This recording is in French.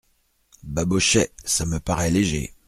Babochet Ça me paraît léger !